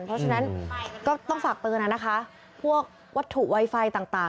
เพราะฉะนั้นก็ต้องฝากเตือนนะคะพวกวัตถุไวไฟต่าง